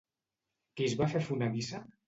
Qui es va fer fonedissa?